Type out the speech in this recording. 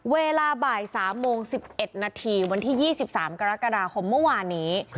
เวลาบ่าย๓โมง๑๑นาทีวันที่๒๓กรกฎาคมเมื่อวานนี้